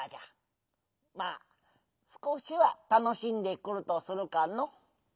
まあ「すこしはたのしんでくる」とするかの。